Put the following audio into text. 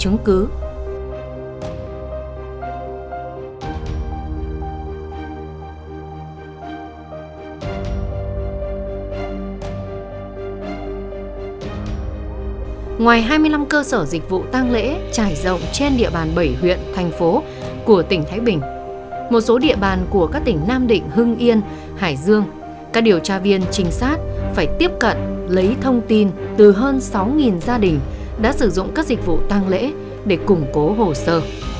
ngoài hai mươi năm cơ sở dịch vụ tăng lễ trải rộng trên địa bàn bảy huyện thành phố của tỉnh thái bình hưng yên hải dương các điều tra viên trinh sát phải tiếp cận lấy thông tin từ hơn sáu gia đình đã sử dụng các dịch vụ tăng lễ để củng cố hồ sơ